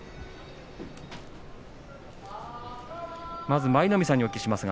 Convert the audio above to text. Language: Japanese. まず舞の海さんにお聞きします。